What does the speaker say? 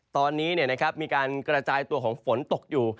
ตอนนี้มีการกระจายตัวของฝนตกอยู่